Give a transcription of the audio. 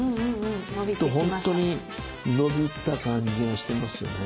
本当に伸びた感じしてますよね。